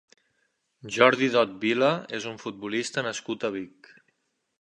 Jordi Dot Vila és un futbolista nascut a Vic.